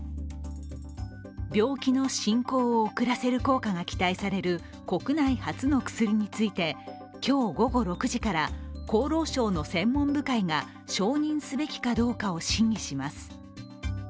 病気の進行を遅らせる効果が期待される国内初の薬について今日午後６時から厚労省の専門部会が承認すべきかどうかを審議します。